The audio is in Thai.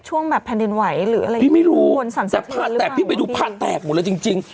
ช่วงแบบแผ่นดินไหวหรืออะไรอย่างนี้พี่ไม่รู้แต่พาแตกพี่ไปดูพันแตกหมดเลยจริงจริง